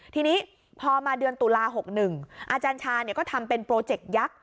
ทีนี้พอมาเดือนตุลา๖๑อาจารย์ชาก็ทำเป็นโปรเจกต์ยักษ์